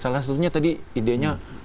salah satunya tadi idenya